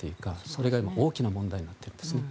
それが大きな問題になってるんですね。